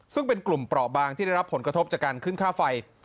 ซึ่งเป็นกลุ่มเปราะบางที่ได้รับผลกระทบจากการขึ้นค่าไฟ